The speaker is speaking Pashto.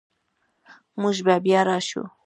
موږ به بیا راشو